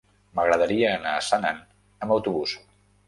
M'agradaria anar a Senan amb autobús.